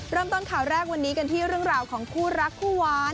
เริ่มต้นข่าวแรกวันนี้กันที่เรื่องราวของคู่รักคู่หวาน